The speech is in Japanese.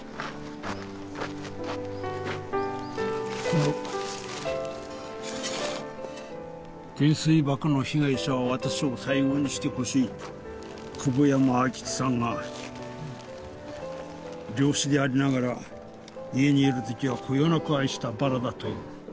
この「原水爆の被害者はわたしを最後にしてほしい」と久保山愛吉さんが漁師でありながら家にいる時はこよなく愛したバラだという。